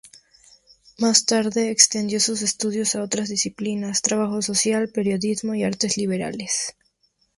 Más tarde extendió sus estudios a otras disciplinas: trabajo social, periodismo y Artes Liberales.